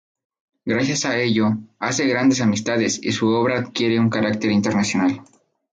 Gracias a ello, hace grandes amistades y su obra adquiere un carácter internacional.